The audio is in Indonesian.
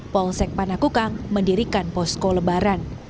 polsek panakukang mendirikan posko lebaran